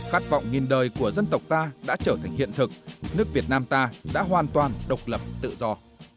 khát vọng nghìn đời của dân tộc ta đã trở thành hiện thực nước việt nam ta đã hoàn toàn độc lập tự do